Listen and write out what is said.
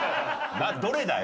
どれだよ！